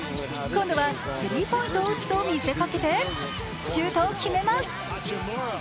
今度はスリーポイントを打つと見せかけてシュートを決めます。